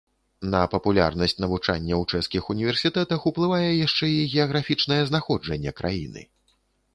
На папулярнасць навучання ў чэшскіх універсітэтах уплывае яшчэ і геаграфічнае знаходжанне краіны.